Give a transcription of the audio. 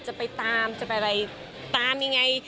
จะไปตามจะไปอะไรตามยังไง